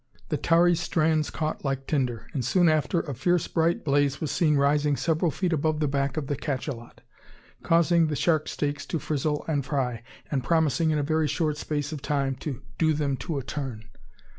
The tarry strands caught like tinder; and soon after a fierce bright blaze was seen rising several feet above the back of the cachalot, causing the shark steaks to frizzle and fry, and promising in a very short space of time to "do them to a turn."